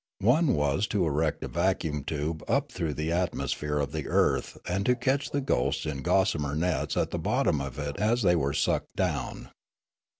One was to erect a vacuum tube up through the atmosphere of the earth and to catch the ghosts in gossamer nets at the bottom of it as the}' were sucked down.